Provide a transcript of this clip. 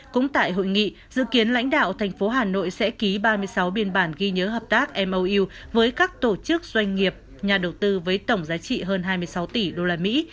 cũng tại hội nghị dự kiến lãnh đạo thành phố hà nội sẽ ký ba mươi sáu biên bản ghi nhớ hợp tác mou với các tổ chức doanh nghiệp nhà đầu tư với tổng giá trị hơn hai mươi sáu tỷ đô la mỹ